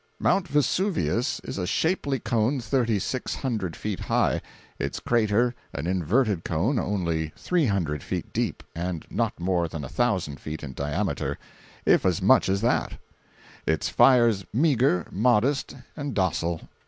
Mount Vesuvius is a shapely cone thirty six hundred feet high; its crater an inverted cone only three hundred feet deep, and not more than a thousand feet in diameter, if as much as that; its fires meagre, modest, and docile.